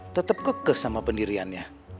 tetep kekes sama pendiriannya